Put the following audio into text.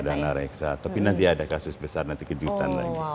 dana reksa tapi nanti ada kasus besar nanti kejutan lagi